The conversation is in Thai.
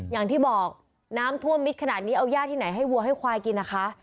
อย่างที่บอกน้ำท่วมมิดขนาดนี้เอาย่าที่ไหนให้วัวให้ควายกินนะคะ